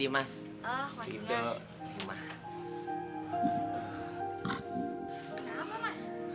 oh masih mas